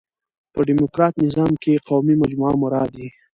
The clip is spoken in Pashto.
په ډيموکراټ نظام کښي قومي مجموعه مراد يي.